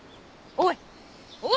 おい！